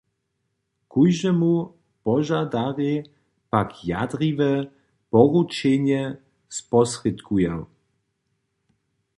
Kóždemu požadarjej pak jadriwe poručenje sposrědkuja.